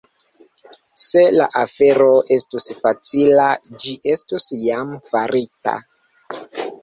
Se la afero estus facila, ĝi estus jam farita.